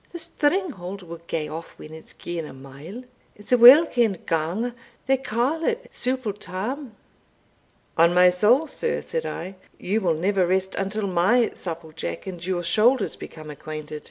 The stringhalt will gae aff when it's gaen a mile; it's a weel ken'd ganger; they call it Souple Tam." "On my soul, sir," said I, "you will never rest till my supple jack and your shoulders become acquainted.